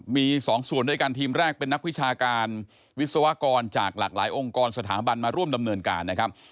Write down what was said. มี๒ส่วนด้วยกันทีมแรกเป็นนักวิชาการวิศวกรจากหลากหลายองค์กรสถาบันมาร่วมดำเนินการนะครับ